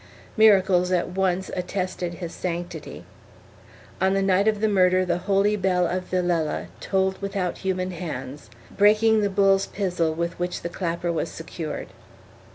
Miracles at once attested his sanctity. On the night of the murder the holy bell of Villela tolled without human hands, breaking the bull's pizzle with which the clapper was secured.